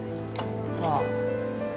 ああ。